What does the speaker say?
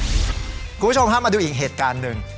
คุณผู้ชมฮะมาดูอีกเหตุการณ์หนึ่ง